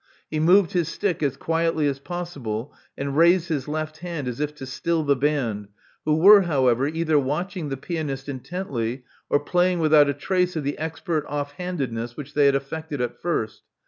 He moved his stick as quietly as possible, and raised his left hand as if to still the band, who were, however, either watching the pianist intently or playing without a trace of the expert off handedness which they had affected at first.